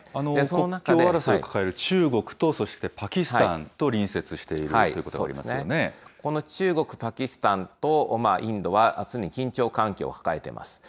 国境争いを抱える中国とパキスタンと隣接しているということこの中国、パキスタンとインドは、常に緊張関係を抱えてます。